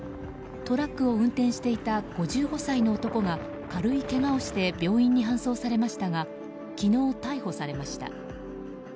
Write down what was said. トラックを運転していた５５歳の男が軽いけがをして病院に搬送されましたが昨日、逮捕されました。